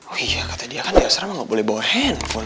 oh iya kata dia kan dia seramah gak boleh bawa handphone